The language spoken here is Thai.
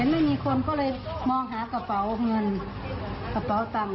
ไม่มีคนก็เลยมองหากระเป๋าเงินกระเป๋าตังค์